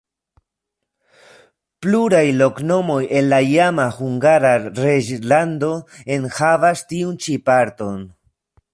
Pluraj loknomoj en la iama Hungara reĝlando enhavas tiun ĉi parton.